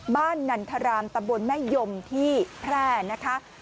บ้านนันทราลตะบนแม่ย่มที่แพร่น่ะคะ